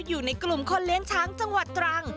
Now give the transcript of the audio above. อยู่ในกลุ่มคนเลี้ยงช้างจังหวัดตรัง